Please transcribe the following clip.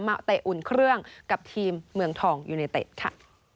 เตะอุ่นเครื่องกับทีมเมืองทองยูเนเต็ดค่ะ